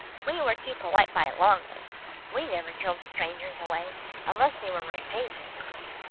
We were too polite by a long way. We never drove strangers away, unless they were rampageous."